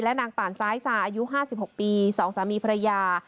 และนางปานซ้ายซ้า่ายูห้าสิบหกปีสองสามีภรรยา